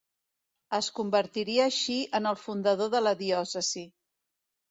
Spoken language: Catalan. Es convertiria així en el fundador de la diòcesi.